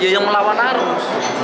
yang melawan arus